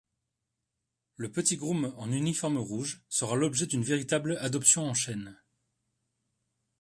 Le petit groom en uniforme rouge sera l’objet d’une véritable adoption en chaîne.